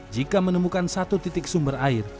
jika menemukan satu titik sumber air